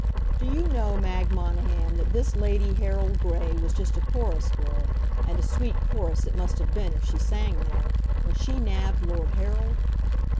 Do you know, Mag Monahan, that this Lady Harold Gray was just a chorus girl and a sweet chorus it must have been if she sang there! when she nabbed Lord Harold?